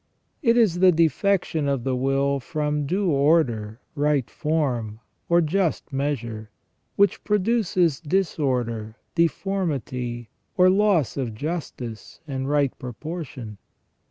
It is the defection of the will from due order, right form, or just measure, which produces disorder, deformity, or loss of justice and right proportion.